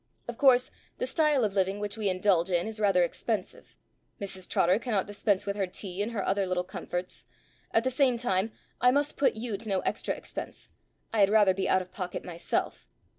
Of course, the style of living which we indulge in is rather expensive. Mrs Trotter cannot dispense with her tea and her other little comforts; at the same time I must put you to no extra expense I had rather be out of pocket myself.